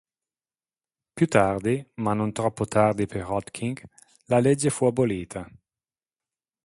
Più tardi, ma troppo tardi per Hodgkin, la legge fu abolita.